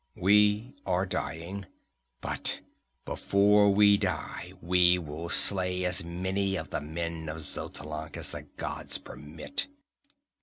"We are dying, but before we die we will slay as many of the men of Xotalanc as the gods permit."